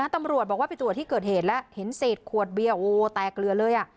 ตำรวจบอกว่าผิดจุดที่เกิดเหตุและเห็นเศษควดเบี้ยโอ้แตกเหลือเลย